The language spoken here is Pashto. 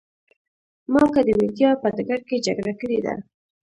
ما که د مېډیا په ډګر کې جګړه کړې ده.